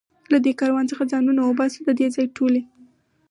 له دې کاروان څخه ځانونه وباسو، د دې ځای ټولې.